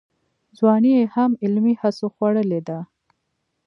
ځواني یې هم علمي هڅو خوړلې ده.